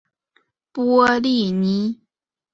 波利尼。